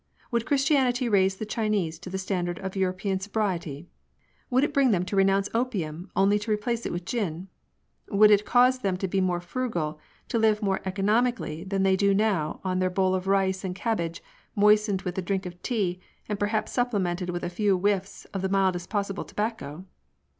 Would Christianity raise the Chinese to the standard of European sobriety ? Would it bring them to re nounce opium, only to replace it with gin ? Would it cause them to be more frugal, to live more economi cally than they do now on their bowl of rice and cabbage, moistened with a drink of tea, and perhaps supplemented with a few whiffs of the mildest possible tobacco